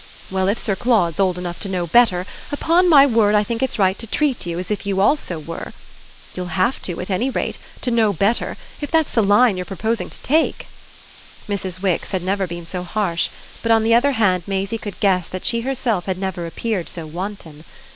Well, if Sir Claude's old enough to know better, upon my word I think it's right to treat you as if you also were. You'll have to, at any rate to know better if that's the line you're proposing to take." Mrs. Wix had never been so harsh; but on the other hand Maisie could guess that she herself had never appeared so wanton.